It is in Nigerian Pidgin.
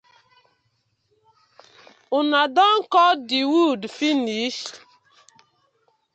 Una don kot the wood finish.